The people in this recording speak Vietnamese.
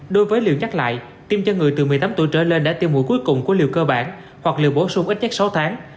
đối với liều nhắc lại tiêm cho người từ một mươi tám tuổi trở lên đã tiêm mũi cuối cùng của liều cơ bản hoặc liều bổ sung ít nhất sáu tháng